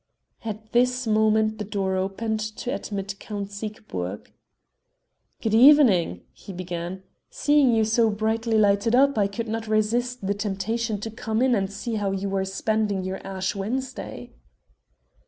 At this moment the door opened to admit Count Siegburg. "Good evening," he began "seeing you so brightly lighted up I could not resist the temptation to come in and see how you were spending your Ash Wednesday."